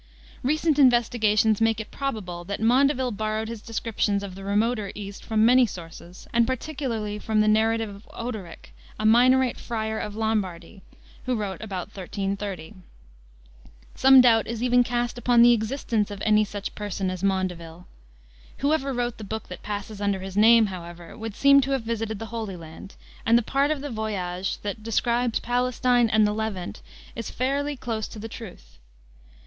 Recent investigations make it probable that Maundeville borrowed his descriptions of the remoter East from many sources, and particularly from the narrative of Odoric, a Minorite friar of Lombardy, who wrote about 1330. Some doubt is even cast upon the existence of any such person as Maundeville. Whoever wrote the book that passes under his name, however, would seem to have visited the Holy Land, and the part of the "voiage" that describes Palestine and the Levant is fairly close to the truth.